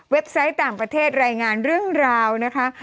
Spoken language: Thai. ไซต์ต่างประเทศรายงานเรื่องราวนะคะ